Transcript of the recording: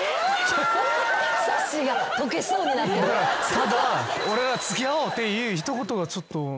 ただ俺は「付き合おう」っていう一言がちょっと。